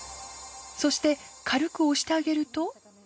そしてかるく押してあげると。